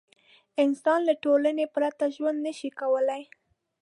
انسان له ټولنې پرته ژوند نه شي کولی.